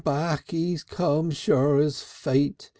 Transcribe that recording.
Back he's come sure as fate.